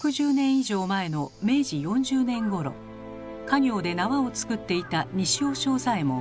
以上前の明治４０年ごろ家業で縄を作っていた西尾正左衛門。